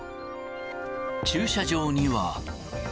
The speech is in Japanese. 駐車場には。